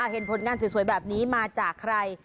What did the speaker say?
เห็นผลงานสวยแบบนี้มาจากใคร